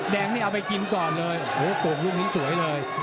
แดงนี่เอาไปกินก่อนเลยโอ้โหโป่งลูกนี้สวยเลย